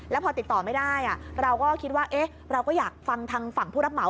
แล้วพอติดต่อไม่ได้เราก็คิดว่าเราก็อยากฟังทางฝั่งผู้รับเหมา